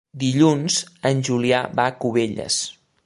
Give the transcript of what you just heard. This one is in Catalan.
Dilluns en Julià va a Cubelles.